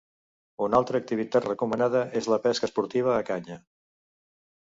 Una altra activitat recomanada és la pesca esportiva a canya.